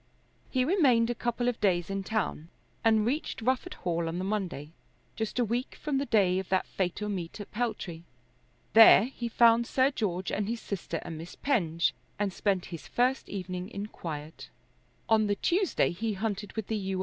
He remained a couple of days in town and reached Rufford Hall on the Monday, just a week from the day of that fatal meet at Peltry. There he found Sir George and his sister and Miss Penge, and spent his first evening in quiet. On the Tuesday he hunted with the U.